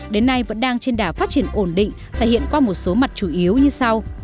đến nay vẫn đang trên đà phát triển ổn định thể hiện qua một số mặt chủ yếu như sau